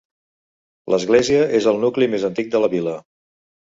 L'església és al nucli més antic de la vila.